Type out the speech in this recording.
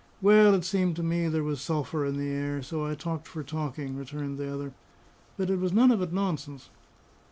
"Well, it seemed to me there was sulphur in the air, so I talked for talking," returned the other. "But it was none of it nonsense."